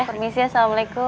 permisi ya assalamualaikum